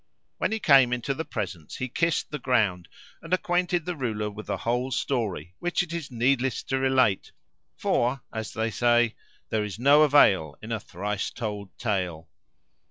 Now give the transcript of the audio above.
When he came into the presence, he kissed the ground and acquainted the ruler with the whole story which it is needless to relate for, as they say, There is no avail in a thrice told tale.